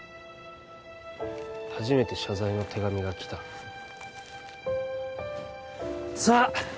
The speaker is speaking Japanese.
初めて謝罪の手紙が来たさあ